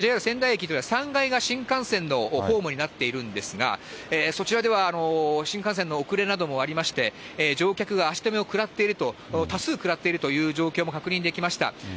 そして、先ほど私もこのＪＲ仙台駅というのは３階が新幹線のホームになっているんですが、そちらでは新幹線の遅れなどもありまして、乗客が足止めを食らっていると、多数食らっているという状況も確認できました。